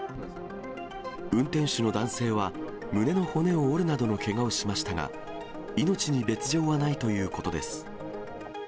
運転手の男性は、胸の骨を折るなどのけがをしましたが、命に別状はないということです。